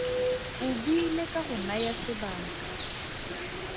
O buile ka go naya sebaka.